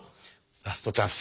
ラストチャンス